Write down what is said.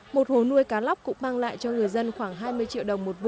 một hồ nuôi cá lóc cũng mang lại cho người dân khoảng hai mươi triệu đồng một vụ